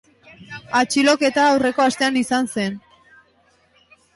Atxiloketa aurreko astean izan zen.